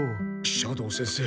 斜堂先生